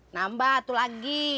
nambah satu lagi